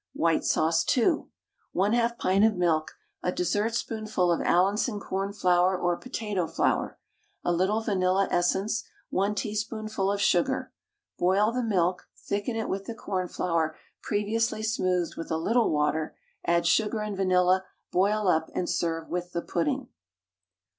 WHITE SAUCE (2). 1/2 pint of milk, a dessertspoonful of Allinson cornflour or potato flour, a little vanilla essence, 1 teaspoonful of sugar. Boil the milk, thicken it with the cornflour previously smoothed with a little water, add sugar and vanilla, boil up, and serve with the pudding.